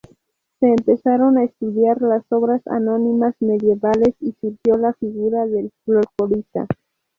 Se empezaron a estudiar las obras anónimas medievales y surgió la figura del folclorista.